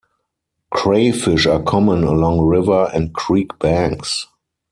Crayfish are common along river and creek banks.